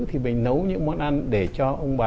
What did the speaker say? thì mình nấu những món ăn để cho uống được